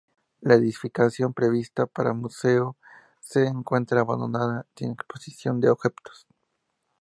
La edificación prevista para museo se encuentra abandonada y sin exposición de objetos.